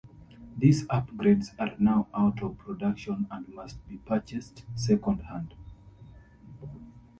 These upgrades are now out of production and must be purchased secondhand.